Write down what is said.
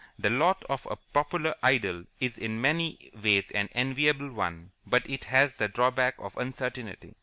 The lot of a popular idol is in many ways an enviable one, but it has the drawback of uncertainty.